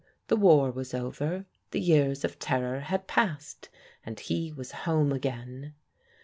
The war was over, the years of terror had passed, and he was home again.